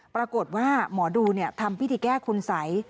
ปรากฏว่าหมอดูทำพิธีแก้คุณสัย